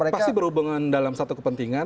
pasti berhubungan dalam satu kepentingan